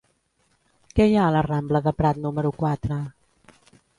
Què hi ha a la rambla de Prat número quatre?